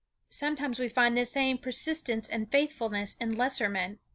Sometimes we find the same persistence and faithfulness in lesser men.